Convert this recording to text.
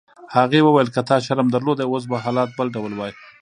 هغې وویل: که تا شرم درلودای اوس به حالات بل ډول وای.